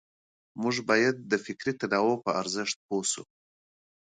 موږ بايد د فکري تنوع په ارزښت پوه سو.